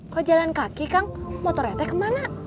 kok jalan kaki kang motor etek kemana